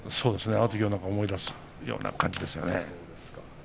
あのときを思い出すような感じですね。